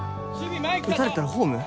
打たれたらホーム？